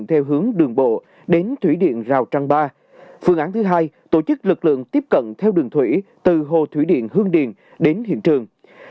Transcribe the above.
phương án thứ hai tổ chức lực lượng tiếp cận theo đường thủy từ hồ thủy điện hương điền đến hiện trường